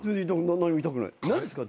何ですか？